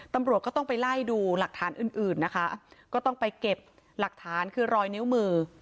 ตำรวจก็ต้องไปไล่ดูหลักฐานอื่นอื่นนะคะก็ต้องไปเก็บหลักฐานคือรอยนิ้วมือ